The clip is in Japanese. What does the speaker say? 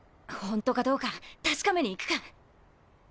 本当かどうか確かめに行くか。